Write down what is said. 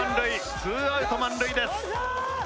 ツーアウト満塁です。